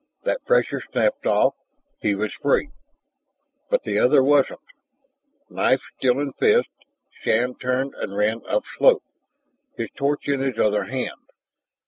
That pressure snapped off; he was free. But the other wasn't! Knife still in fist, Shann turned and ran upslope, his torch in his other hand.